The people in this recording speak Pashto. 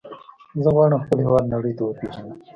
زه غواړم خپل هېواد نړۍ ته وپیژنم.